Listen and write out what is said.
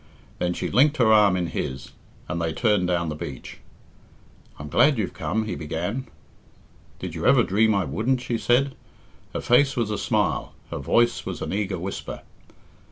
Then she linked her arm in his, and they turned down the beach. "I'm glad you've come," he began. "Did you ever dream I wouldn't?" she said. Her face was a smile, her voice was an eager whisper.